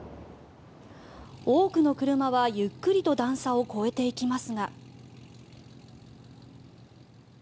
多くの車はゆっくりと段差を越えていきますが。